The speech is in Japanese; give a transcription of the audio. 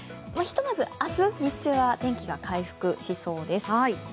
ひとまず、明日日中は天気が回復しそうです。